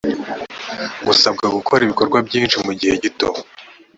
gusabwa gukora ibikorwa byinshi mu gihe gito